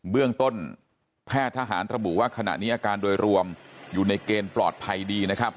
เบื้องต้นแพทย์ทหารระบุว่าขณะนี้อาการโดยรวมอยู่ในเกณฑ์ปลอดภัยดีนะครับ